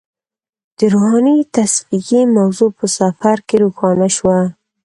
د روحاني تصفیې موضوع په سفر کې روښانه شوه.